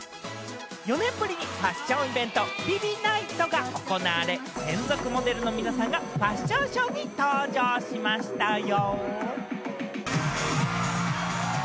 ４年ぶりにファッションイベント・ＶｉＶｉＮｉｇｈｔが行われ、専属モデルの皆さんがファッションショーに登場しましたよ。